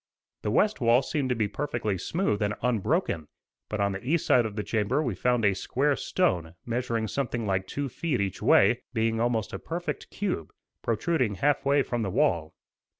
The west wall seemed to be perfectly smooth and unbroken; but on the east side of the chamber we found a square stone, measuring something like two feet each way, being almost a perfect cube, protruding half way from the wall.